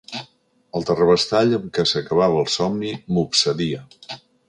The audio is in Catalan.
El terrabastall amb què s'acabava el somni m'obsedia.